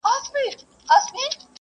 صداقت نجات دی.